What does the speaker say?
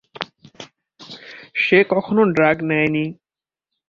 সে কখনো ড্রাগ নেয় নি।